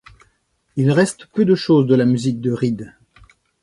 Il reste peu de chose de la musique de Reed.